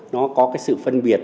nó có cái sự phân biệt